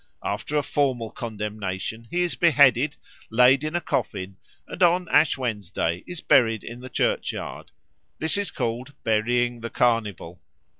After a formal condemnation he is beheaded, laid in a coffin, and on Ash Wednesday is buried in the churchyard. This is called "Burying the Carnival."